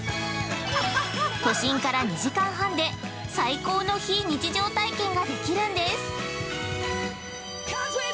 都心から２時間半で最高の非日常体験ができるんです！